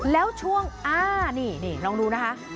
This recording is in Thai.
แล้วช่วงลองดูนะคะ